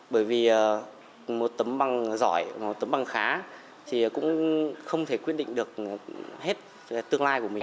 bởi vì một tấm bằng giỏi một tấm bằng khá thì cũng không thể quyết định được hết tương lai của mình